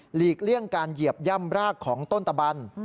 เลี่ยงการเหยียบย่ำรากของต้นตะบัน